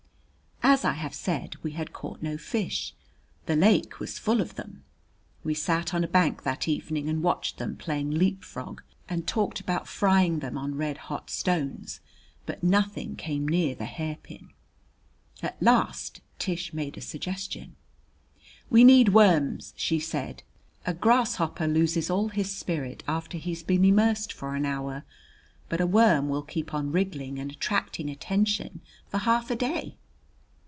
As I have said, we had caught no fish. The lake was full of them. We sat on a bank that evening and watched them playing leapfrog, and talked about frying them on red hot stones, but nothing came near the hairpin. At last Tish made a suggestion. "We need worms," she said. "A grasshopper loses all his spirit after he's been immersed for an hour, but a worm will keep on wriggling and attracting attention for half a day."